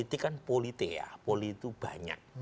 itu bukan politea poli itu banyak